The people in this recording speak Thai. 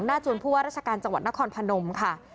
จวนผู้ว่าราชการจังหวัดนครพนมค่ะ